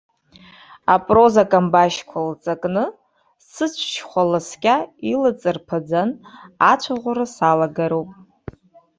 Апроза-камбашьқәа лҵакны, сыцәшьхәа ласкьа илыҵарԥаӡан, ацәаӷәара салагароуп!